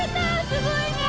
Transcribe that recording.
すごいね。